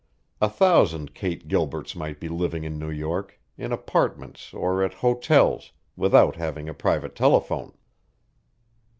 A thousand Kate Gilberts might be living in New York, in apartments or at hotels, without having a private telephone.